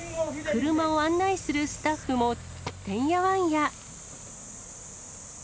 車を案内するスタッフも、てんやわんや。